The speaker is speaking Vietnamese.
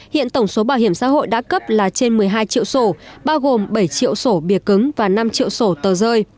hiện tổng số bảo hiểm xã hội đã cấp là trên một mươi hai triệu sổ bao gồm bảy triệu sổ bìa cứng và năm triệu sổ tờ rơi